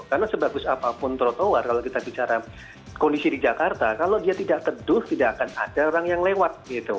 karena sebagus apapun protowar kalau kita bicara kondisi di jakarta kalau dia tidak teduh tidak akan ada orang yang lewat